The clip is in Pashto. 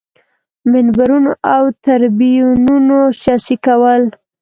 منبرونو او تریبیونونو سیاسي کول.